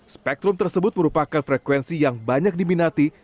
spektrum tersebut merupakan frekuensi yang banyak diminati